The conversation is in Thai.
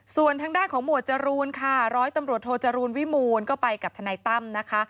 ส่วนทางด้านของหมวดจรูนค่ะร้อยตำรวจโทจรูลวิมูลก็ไปกับทนายตั้มนะคะ